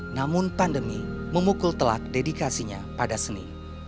namun pandemi memukul telak dedikasinya pada seni